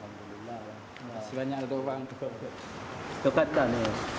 よかったね。